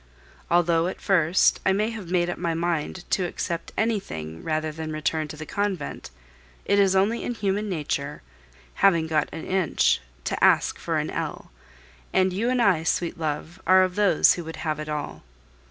Although, at first, I may have made up my mind to accept anything rather than return to the convent, it is only in human nature, having got an inch, to ask for an ell, and you and I, sweet love, are of those who would have it all.